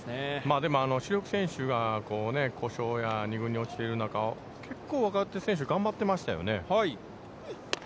でも主力選手が故障や２軍に落ちる中、結構頑張ってましたよね。